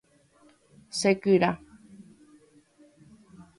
Chekyra.